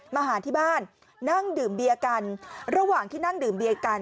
มาหาที่บ้านนั่งดื่มเบียร์กันระหว่างที่นั่งดื่มเบียกัน